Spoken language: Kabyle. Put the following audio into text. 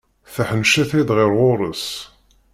Tḥennec-it-d ɣer ɣur-s.